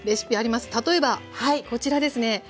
例えばこちらですね。